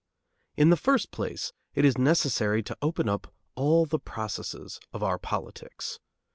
In the first place, it is necessary to open up all the processes of our politics.